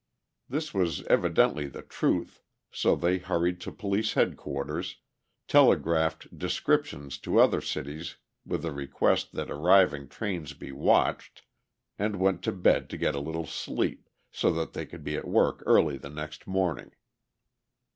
This was evidently the truth, so they hurried to Police Headquarters, telegraphed descriptions to other cities with a request that arriving trains be watched, and went to bed to get a little sleep, so that they could be at work early the next morning.